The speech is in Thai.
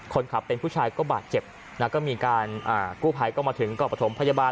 คนขับเป็นผู้ชายก็บาดเจ็บนะก็มีการกู้ภัยก็มาถึงก็ประถมพยาบาล